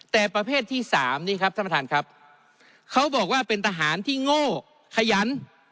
แต่ประเภทที่สามนี่ครับท่านประธานครับเขาบอกว่าเป็นทหารที่โง่ขยัน